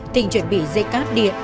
thịnh chuẩn bị dây cáp điện